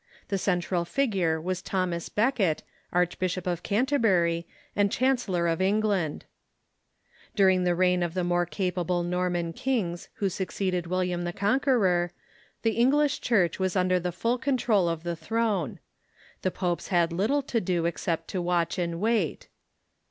The central figure was Thomas Becket, Archbishop of Canterbury and Chancellor of Eng stephen and ],jj^^] During the reign of the more capable Nor Henry II. ^ t .. man kings who succeeded William the Conqueror, the English Church was under the full control of the throne. The popes had little to do except to watch and wait.